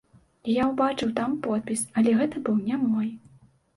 Я ўбачыў там подпіс, але гэта быў не мой.